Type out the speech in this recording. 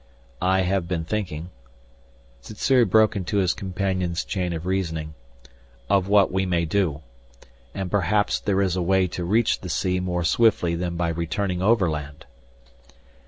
"I have been thinking " Sssuri broke into his companion's chain of reasoning, "of what we may do. And perhaps there is a way to reach the sea more swiftly than by returning overland."